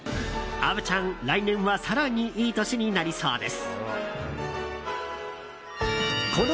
虻ちゃん、来年は更にいい年になりそうです。